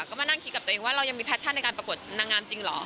ก็มานั่งคิดกับตัวเองว่าเรายังมีแพชชั่นในการประกวดนางงามจริงเหรอ